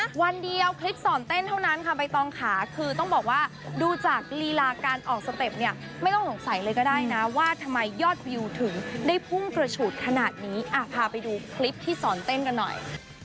วันเดียวคลิปสอนเต้นเท่านั้นค่ะใบตองค่ะคือต้องบอกว่าดูจากลีลาการออกสเต็ปเนี่ยไม่ต้องสงสัยเลยก็ได้นะว่าทำไมยอดวิวถึงได้พุ่งกระฉูดขนาดนี้พาไปดูคลิปที่สอนเต้นกันหน่อย